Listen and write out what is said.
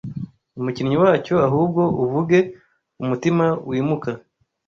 Umukinyi wacyo, ahubwo uvuge, umutima wimuka